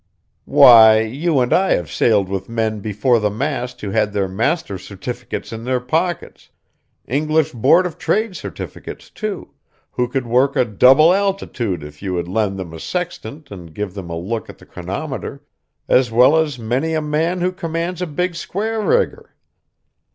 Why, you and I have sailed with men before the mast who had their master's certificates in their pockets, English Board of Trade certificates, too, who could work a double altitude if you would lend them a sextant and give them a look at the chronometer, as well as many a man who commands a big square rigger.